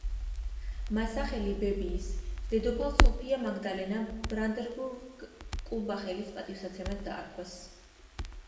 მას სახელი ბებიის, დედოფალ სოფია მაგდალენა ბრანდენბურგ-კულმბახელის პატივსაცემად დაარქვეს.